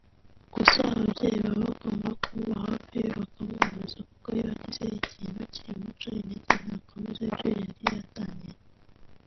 Gusa ababyeyi baba bagomba kumuba hafi bakamuhumuriza kuko iyo agize ikintu kimuca intege ntakomeza ibyo yari yatangiye